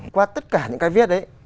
qua tất cả những cái viết đấy